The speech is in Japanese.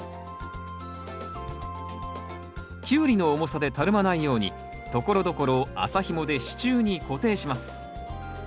キュウリの重さでたるまないようにところどころを麻ひもで支柱に固定します。